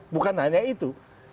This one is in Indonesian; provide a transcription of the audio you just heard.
bukan hanya itu